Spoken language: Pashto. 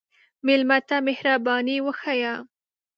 مېلمه ته مهرباني وښیه.